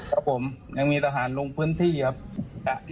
ครับผมยังมีทหารลงพื้นที่ครับ